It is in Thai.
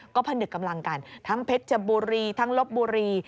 ก็ผนึกกำลังกันทั้งเพชรบุรีทั้งลบบุรี